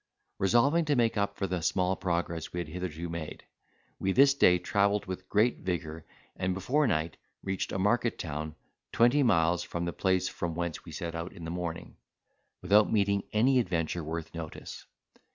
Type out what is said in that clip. Resolving to make up for the small progress we had hitherto made, we this day travelled with great vigour and before night reached a market town twenty miles from the place from whence we set out in the morning, without meeting any adventure worth notice.